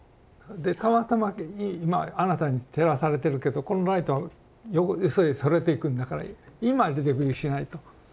「でたまたまに今あなたに照らされてるけどこのライトはそれていくんだから今出てくるしかない」と。